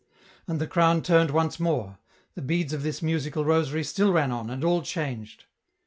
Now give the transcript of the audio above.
And the crown turned once more ; the beads of this musical rosary still ran on, and all changed.